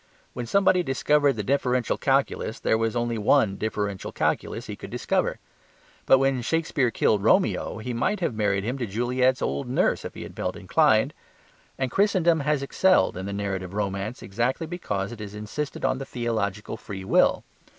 When somebody discovered the Differential Calculus there was only one Differential Calculus he could discover. But when Shakespeare killed Romeo he might have married him to Juliet's old nurse if he had felt inclined. And Christendom has excelled in the narrative romance exactly because it has insisted on the theological free will.